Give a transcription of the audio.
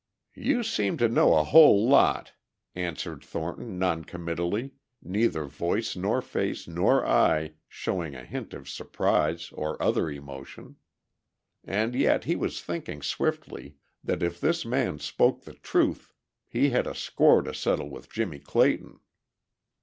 "You seem to know a whole lot," answered Thornton noncommittally neither voice nor face nor eye showing a hint of surprise or other emotion. And yet he was thinking swiftly, that if this man spoke the truth he had a score to settle with Jimmie Clayton.